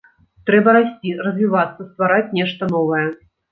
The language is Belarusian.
Трэба расці, развівацца, ствараць нешта новае.